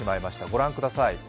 ご覧ください。